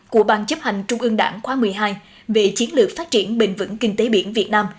của ban chấp hành trung ương đảng khóa một mươi hai về chiến lược phát triển bền vững kinh tế biển việt nam